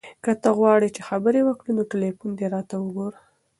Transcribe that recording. که ته غواړې چې خبرې وکړو نو تلیفون دې ته وګوره.